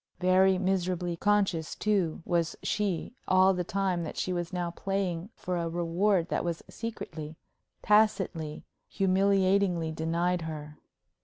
Very miserably conscious, too, was she all the time that she was now playing for a reward that was secretly, tacitly, humiliatingly denied her.